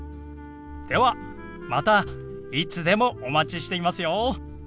ではまたいつでもお待ちしていますよ！